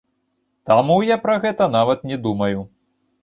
Таму я пра гэта нават не думаю.